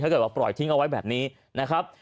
เกิดว่าปล่อยทิ้งเอาไว้แบบนี้นะครับ